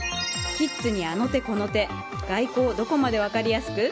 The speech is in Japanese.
キッズにあの手この手外交どこまで分かりやすく？